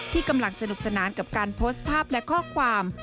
กำลังสนุกสนานกับการโพสต์ภาพและข้อความ